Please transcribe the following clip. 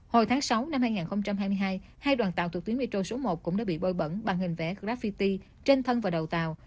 hồi tháng sáu năm hai nghìn hai mươi hai hai đoàn tàu thuộc tuyến metro số một cũng đã bị bôi bẩn bằng hình vẽ graffity trên thân và đầu tàu